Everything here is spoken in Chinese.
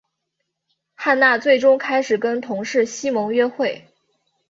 汉娜最终开始跟同事西蒙约会。